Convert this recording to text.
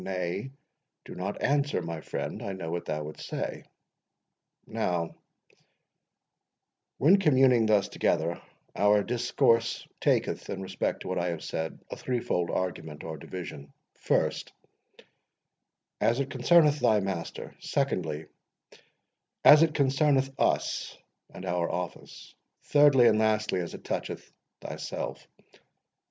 —Nay, do not answer, my friend—I know what thou wouldst say. Now, when communing thus together, our discourse taketh, in respect to what I have said, a threefold argument, or division: First, as it concerneth thy master; secondly, as it concerneth us and our office; thirdly and lastly, as it toucheth thyself.